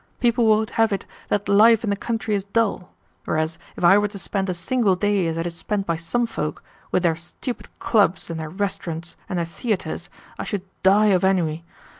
People would have it that life in the country is dull; whereas, if I were to spend a single day as it is spent by some folk, with their stupid clubs and their restaurants and their theatres, I should die of ennui.